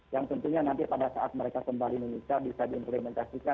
yang tentunya nanti pada saat mereka kembali indonesia bisa diimplementasikan